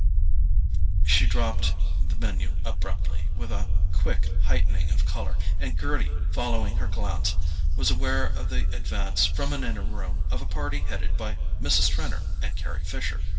She dropped the MENU abruptly, with a quick heightening of colour, and Gerty, following her glance, was aware of the advance, from an inner room, of a party headed by Mrs. Trenor and Carry Fisher.